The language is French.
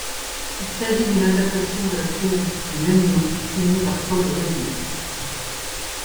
Il s'agit d'une adaptation de la pièce du même nom signée par Paul Rudnick.